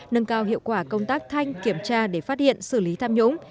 nâng cao hiệu quả công tác thanh kiểm tra để phát hiện xử lý tham nhũng